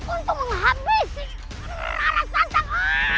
untuk menghabisi rara santang